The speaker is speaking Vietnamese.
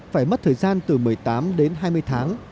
phải mất thời gian từ một mươi tám đến hai mươi tháng